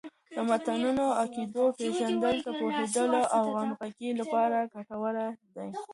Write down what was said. د متنوع عقایدو پیژندل د پوهیدلو او همغږۍ لپاره ګټور دی.